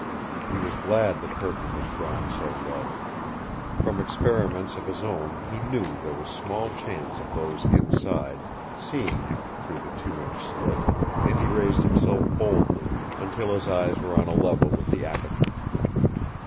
He was glad the curtain was drawn so low. From experiments of his own he knew there was small chance of those inside seeing him through the two inch slit, and he raised himself boldly until his eyes were on a level with the aperture.